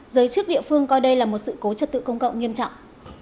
giới chức địa phương coi đây là một sự cố trật tự công cộng nghiêm trọng